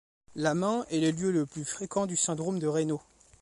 La main est le lieu le plus fréquent du syndrome de Raynaud.